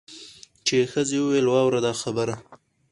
چي یې ښځي ویل واوره دا خبره